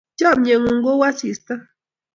Chomye ng'ung' kou asista.